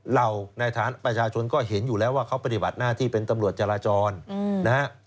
เราในฐานะประชาชนก็เห็นอยู่แล้วว่าเขาปฏิบัติหน้าที่เป็นตำรวจจราจรนะฮะ